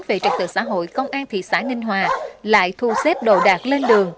về trật tự xã hội công an thị xã ninh hòa lại thu xếp đồ đạc lên đường